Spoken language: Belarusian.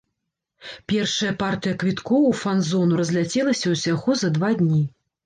Першая партыя квіткоў у фан-зону разляцелася ўсяго за два дні.